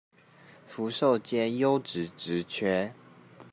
福壽街優質職缺